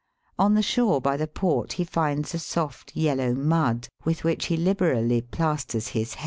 On the shore by the port he finds a soft yellow mud, with which he liberally plasters his head.